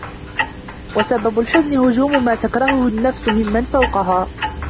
وَسَبَبُ الْحُزْنِ هُجُومُ مَا تَكْرَهُهُ النَّفْسُ مِمَّنْ فَوْقَهَا